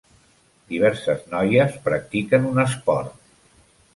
Diverses noies practiquen un esport.